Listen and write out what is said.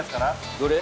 どれ？